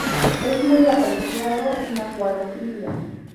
Es muy apreciado en acuariofilia.